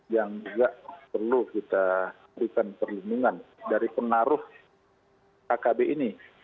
yang juga perlu kita berikan perlindungan dari penaruh kkb ini